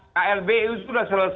klb itu sudah selesai